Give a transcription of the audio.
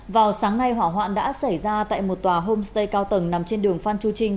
vào sáng nay hỏa hoạn đã xảy ra tại một tòa homestay cao tầng nằm trên đường phan chu trinh